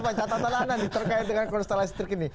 mas yofa catatan anda di terkait dengan konstelasi terkini